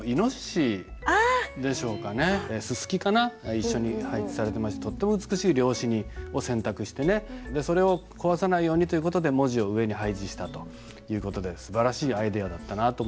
一緒に配置されてましてとっても美しい料紙を選択してねでそれを壊さないようにという事で文字を上に配置したという事ですばらしいアイデアだったなと思います。